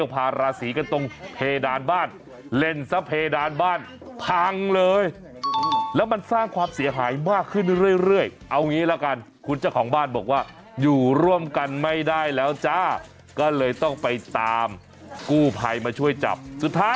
เป็นเด็กน้อยที่มาจากโลกอนาคต